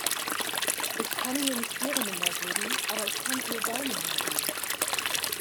Ich kann dir nicht ihre Nummer geben, aber ich kann ihr deine Nummer geben.